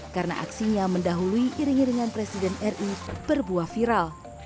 karena aksinya mendahului iring iringan presiden ri berbuah viral